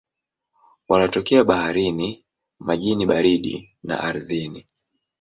Wanatokea baharini, majini baridi na ardhini.